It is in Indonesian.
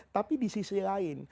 tapi di sisi lain